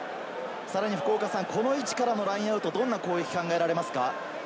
この位置からのラインアウト、どんな攻撃が考えられますか？